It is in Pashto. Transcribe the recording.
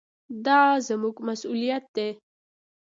دا زموږ مسوولیت دی.